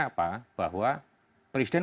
apa bahwa presiden